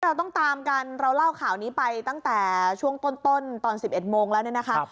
เราต้องตามกันเราเล่าข่าวนี้ไปตั้งแต่ช่วงต้นตอน๑๑โมงแล้วเนี่ยนะคะ